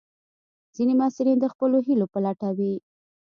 ځینې محصلین د خپلو هیلو په لټه وي.